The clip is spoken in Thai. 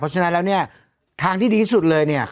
เพราะฉะนั้นทางที่ดีที่สุดเลย